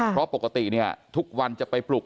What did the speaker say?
เพราะปกติเนี่ยทุกวันจะไปปลุก